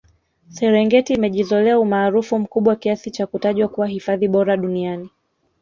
serengeti imejizolea umaarufu mkubwa kiasi cha kutajwa kuwa hifadhi bora duniani